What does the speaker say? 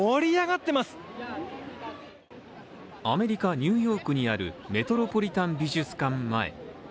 アメリカ・ニューヨークにあるメトロポリタン美術館前。